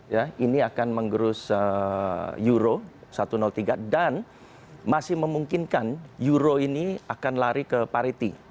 ya ini akan menggerus euro satu ratus tiga dan masih memungkinkan euro ini akan lari ke pariti